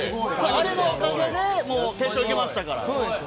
あれのおかげで決勝行けましたから。